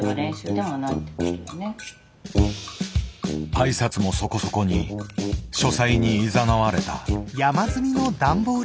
挨拶もそこそこに書斎にいざなわれた。